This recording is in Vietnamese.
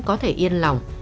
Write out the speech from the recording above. có thể yên lòng